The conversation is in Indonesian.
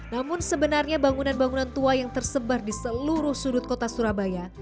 namun sebenarnya bangunan bangunan tua yang tersebar di seluruh sudut kota surabaya